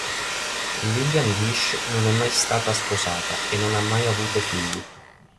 Lillian Gish non è mai stata sposata e non ha mai avuto figli.